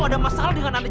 ada masalah dengan anda